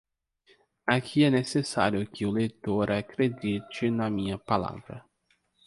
Aqui é necessário que o leitor acredite na minha palavra.